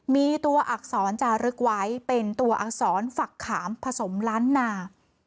มีตัวอักษรจารึกไว้เป็นตัวอักษรฝักขามผสมล้านนา